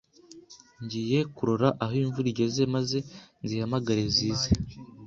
ngiye kurora aho imvura igeze maze nzihamagare zize